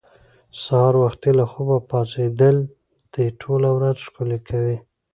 سهار وختي له خوبه پاڅېدل دې ټوله ورځ ښکلې کوي.